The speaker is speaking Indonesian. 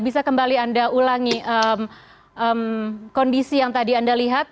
bisa kembali anda ulangi kondisi yang tadi anda lihat